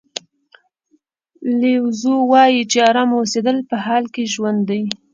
لیو زو وایي چې ارامه اوسېدل په حال کې ژوند دی.